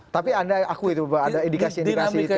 tapi anda akui itu pak ada indikasi indikasi itu ya bang